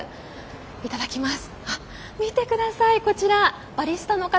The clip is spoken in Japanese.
いただきます。